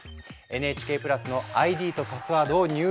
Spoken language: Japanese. ＮＨＫプラスのＩＤとパスワードを入力